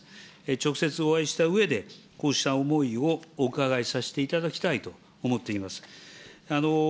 直接お会いしたうえで、こうした思いをお伺いさせていただきたいと思っています。